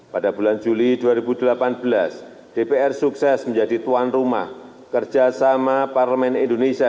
pada bulan juli dua ribu delapan belas dpr sukses menjadi tuan rumah kerjasama parlemen indonesia